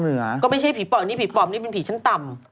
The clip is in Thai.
คราวหมดจอกนี้เป็นผีชั้นต่ำ